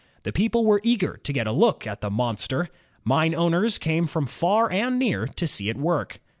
The people were eager to get a look at the monster. Mine owners came from far and near to see it work.